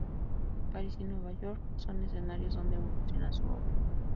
París y Nueva York son escenarios donde evoluciona su obra.